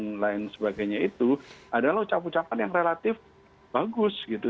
dan lain sebagainya itu adalah ucapan ucapan yang relatif bagus gitu